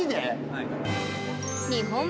はい。